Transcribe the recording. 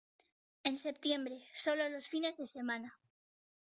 En septiembre— solo los fines de semana.